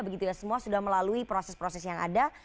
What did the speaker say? begitu ya semua sudah melalui proses proses yang ada